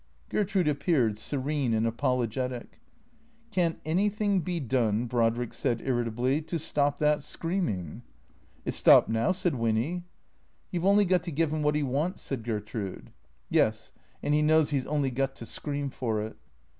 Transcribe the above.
Gertrude appeared, serene and apologetic. " Can't anything be done," Brodrick said irritably, " to stop that screaming? "" It 's stopped now," said Winny. " You 've only got to give him what he wants," said Gertrude. " Yes, and he knows he 's only got to scream for it."